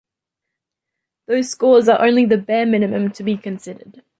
Those scores are only the bare minimum to be considered.